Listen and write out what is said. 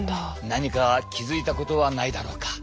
何か気付いたことはないだろうか？